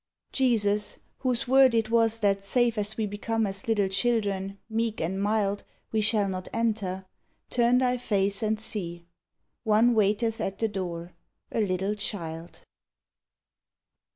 Jesus, whose word it was that save as we Become as little children, meek and mild, We shall not enter, turn Thy face and see : One waiteth at the door, a little child!